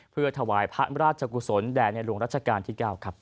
เพื่อถวายพระราชกุศลแด่ในหลวงรัชกาลที่๙ครับ